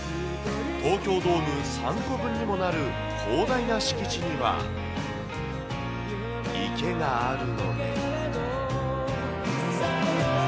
東京ドーム３個分にもなる広大な敷地には、池があるので。